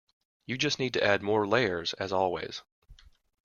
You just need to add more layers as always.